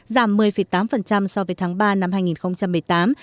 giảm một mươi tám so với tháng ba năm hai nghìn một mươi tám